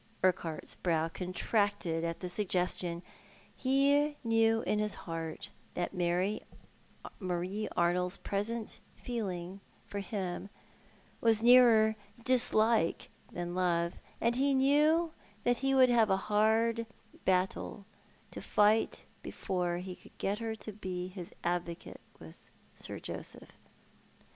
Urquhart's brow contracted at the suggestion. He knew in his heart that Marie Arnold's present feeling for him was nearer dislike than love ; and he knew that he would have a hard battle to fight before he could get her to be his advocate with Sir Joseph.